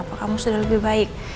apa kamu sudah lebih baik